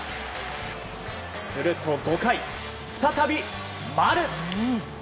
すると５回、再び、丸。